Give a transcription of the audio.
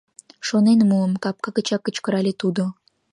Шонен муым! — капка гычак кычкырале тудо.